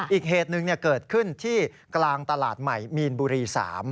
อีกเหตุหนึ่งเกิดขึ้นที่กลางตลาดใหม่มีนบุรี๓